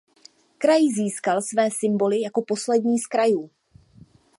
Kraj získal své symboly jako poslední z krajů.